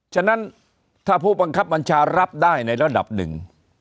ฉะนั้นถ้าผู้บังคับบัญชารับได้ในระดับหนึ่ง